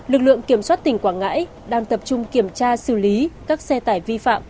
lực lượng kiểm soát tỉnh quảng ngãi đang tập trung kiểm tra xử lý các xe tải vi phạm